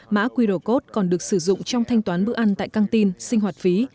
mã qr code còn được sử dụng trong thanh toán bữa ăn tại căng tin sinh hoạt phí